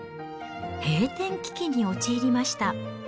閉店危機に陥りました。